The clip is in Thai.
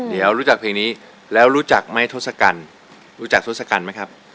เดี๋ยวรู้จักเพลงนี้แล้วรู้จักไหมทศกัณฐ์รู้จักทศกัณฐ์ไหมครับ